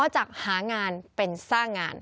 จากหางานเป็นสร้างงาน